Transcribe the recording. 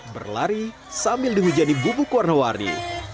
berlari sambil dihujani bubuk warna warni